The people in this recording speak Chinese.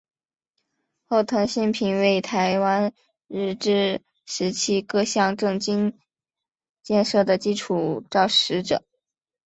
后藤新平为台湾日治时期各项政经建设的基础肇始者。